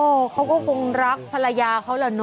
เขาก็คงรักภรรยาเขาแหละเนอ